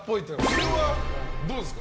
これはどうですか？